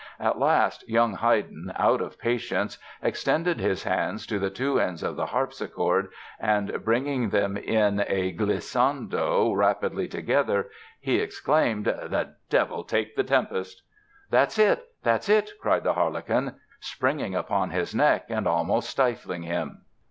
At last, young Haydn, out of patience, extended his hands to the two ends of the harpsichord and bringing them in a glissando rapidly together, he exclaimed: 'The devil take the tempest!' 'That's it, that's it', cried the harlequin, springing upon his neck and almost stifling him."